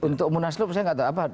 untuk munasluk saya nggak tahu